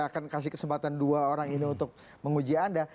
akan kasih kesempatan dua orang ini untuk menguji anda